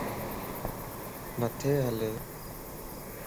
مٿي ھل